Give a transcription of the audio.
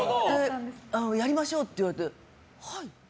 やりましょうって言われてはい。